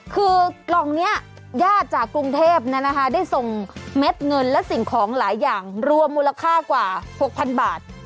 คือกล่องนี้ญาติจากกรุงเทพได้ส่งเม็ดเงินและสิ่งของหลายอย่างรวมมูลค่ากว่า๖๐๐๐บาท